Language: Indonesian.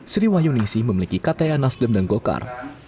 sriwayunisi memiliki kta nasdem dan golkar